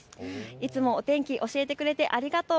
いつもお天気教えてくれてありがとう。